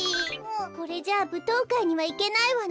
これじゃあぶとうかいにはいけないわね。